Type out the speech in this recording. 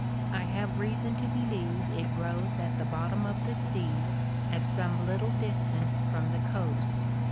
... I have reason to believe it grows at the bottom of the sea, at some little distance from the coast.